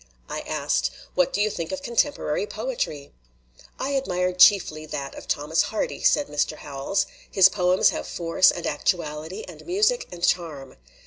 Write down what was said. I asked, "What do you think of contemporary poetry?" "I admired chiefly that of Thomas Hardy," said Mr. Ho wells. "His poems have force and act uality and music and charm.